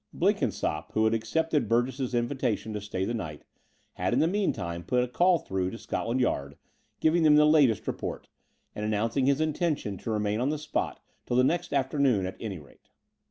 Blenkinsopp, who had accepted Burgess's in vitation to stay the night, had in the meantime put a call through to Scotland Yard, giving them the latest report, and announcing his intention to remain on the spot till the next afternoon at any rate.